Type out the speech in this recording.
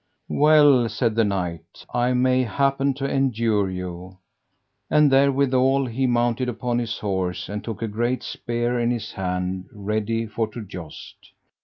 Well, said the knight, I may happen to endure you. And therewithal he mounted upon his horse, and took a great spear in his hand ready for to joust.